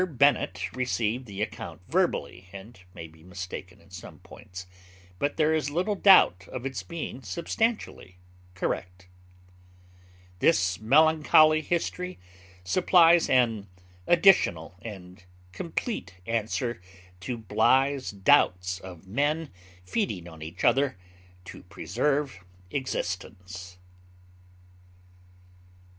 Bennet received the account verbally, and may be mistaken in some points, but there is little doubt of its being substantially correct. This melancholy history supplies an additional and complete answer to Bligh's doubts of men feeding on each other to preserve existence.